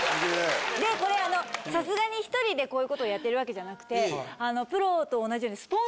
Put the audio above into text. でこれあのさすがに１人でこういうことをやっているわけじゃなくてプロと同じように。